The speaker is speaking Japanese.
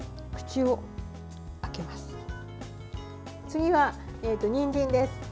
次は、にんじんです。